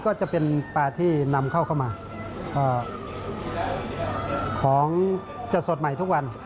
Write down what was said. ก็จะเป็นปลาที่นำเข้าเข้ามาของจะสดใหม่ทุกวัน